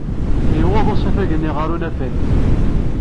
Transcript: Yuweḍ usafag-nni ɣer unafag.